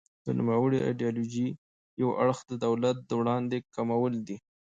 د نوموړې ایډیالوژۍ یو اړخ د دولت د ونډې کمول دي.